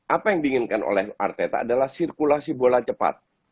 apa yang diinginkan oleh arteta adalah sirkulasi bola cepat